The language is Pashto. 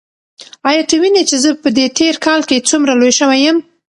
ایا ته وینې چې زه په دې تېر کال کې څومره لوی شوی یم؟